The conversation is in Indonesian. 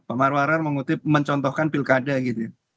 pak marwarar mengutip mencontohkan pilkada gitu ya